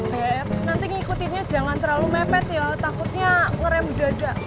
nanti ngikutinnya jangan terlalu mepet ya takutnya ngerem dada